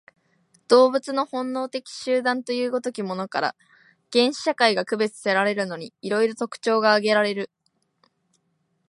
動物の本能的集団という如きものから、原始社会が区別せられるのに、色々特徴が挙げられる。